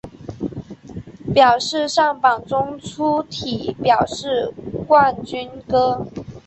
表示上榜中粗体表示冠军歌